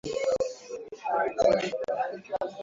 Kusemea mtu bya bongo abisaidii kitu